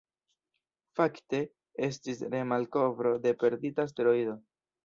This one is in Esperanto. Fakte, estis re-malkovro de perdita asteroido.